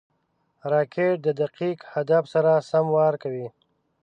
راکټ د دقیق هدف سره سم وار کوي